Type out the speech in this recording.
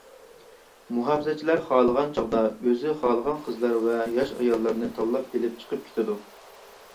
مۇھاپىزەتچىلەر خالىغان چاغدا ئۆزى خالىغان قىزلار ۋە ياش ئاياللارنى تاللاپ ئېلىپ چىقىپ كېتىدۇ.